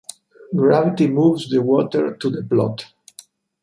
Gravity moves the water to the plot.